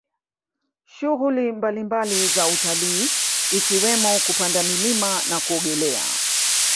Shughuli mbalimbali za utalii ikiwemo kupanda milima na kuogelea